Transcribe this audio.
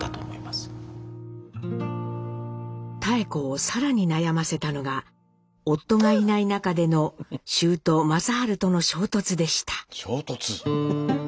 妙子を更に悩ませたのが夫がいない中での舅・正治との衝突でした。